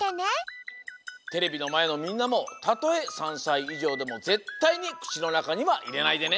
テレビのまえのみんなもたとえ３さいいじょうでもぜったいにくちのなかにはいれないでね！